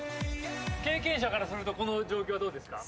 経験者からするとこの状況はどうですか？